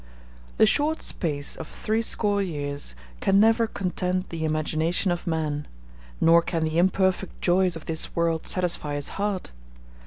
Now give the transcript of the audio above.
The short space of threescore years can never content the imagination of man; nor can the imperfect joys of this world satisfy his heart.